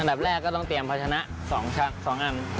อันดับแรกก็ต้องเตรียมพัชนะ๒ชะ๒อัน